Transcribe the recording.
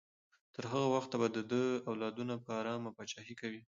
تر هغه وخته به د ده اولادونه په ارامه پاچاهي کوي.